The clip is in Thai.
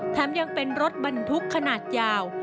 ยังเป็นรถบรรทุกขนาดยาว